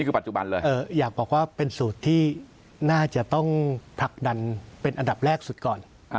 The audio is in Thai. คือปัจจุบันเลยอยากบอกว่าเป็นสูตรที่น่าจะต้องผลักดันเป็นอันดับแรกสุดก่อน